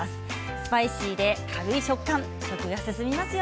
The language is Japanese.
スパイシーで軽い食感で食が進みますよ。